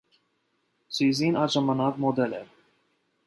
Սյուզին այդ ժամանակ մոդել էր։